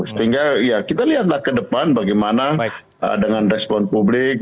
sehingga ya kita lihatlah ke depan bagaimana dengan respon publik